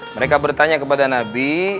mereka bertanya kepada nabi